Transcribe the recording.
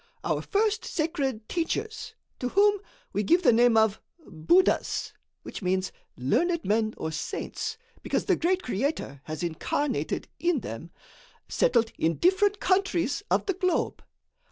Our first sacred teachers, to whom we give the name of buddhas which means, learned men or saints because the great Creator has incarnated in them, settled in different countries of the globe.